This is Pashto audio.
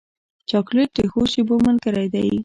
چاکلېټ د ښو شېبو ملګری دی.